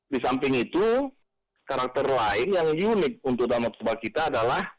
di samping itu karakter lain yang unik untuk danau toba kita adalah